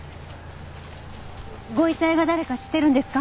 ご遺体が誰か知ってるんですか？